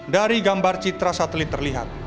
dari gambar citra satelit terlihat